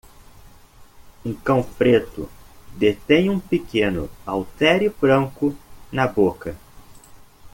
Um cão preto detém um pequeno haltere branco na boca.